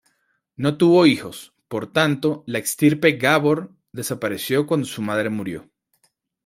No tuvo hijos, por tanto, la estirpe Gabor desapareció cuando su madre murió.